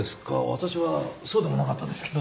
私はそうでもなかったですけど。